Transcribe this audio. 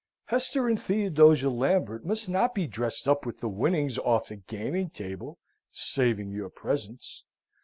Hester and Theodosia Lambert must not be dressed up with the winnings off the gaming table, saving your presence.